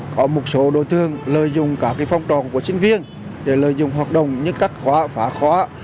có một số đối tượng lợi dụng các phong tròn của sinh viên để lợi dụng hoạt động như cắt khóa phá khóa